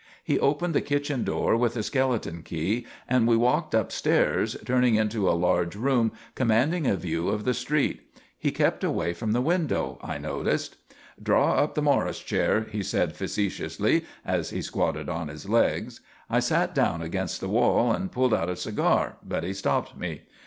He opened the kitchen door with a skeleton key and we walked upstairs, turning into a large room commanding a view of the street. He kept away from the window, I noticed. "Draw up the Morris chair," he said facetiously, as he squatted on his legs. I sat down against the wall and pulled out a cigar but he stopped me.